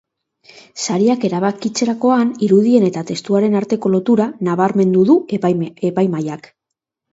Sariak erabakitzerakoan, irudien eta testuaren arteko lotura nabarmendu du epaimahiak.